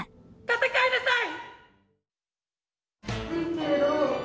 戦いなさい！